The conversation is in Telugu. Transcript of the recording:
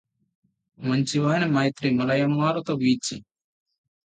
మంచి వాని మైత్రి మలయమారుత వీచి